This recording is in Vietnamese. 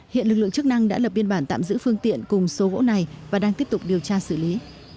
hiện lực lượng chức năng đã lập biên bản tạm giữ phương tiện cùng số gỗ này và đang tiếp tục điều tra xử lý